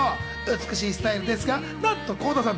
美しいスタイルですが、なんと倖田さん。